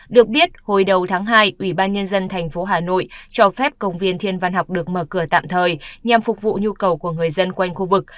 được biết hồi đầu tháng hai ủy ban nhân dân thành phố hà nội cho phép công viên thiên văn học được mở cửa tạm thời nhằm phục vụ nhu cầu của người dân quanh khu vực